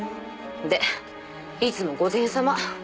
でいつも午前様。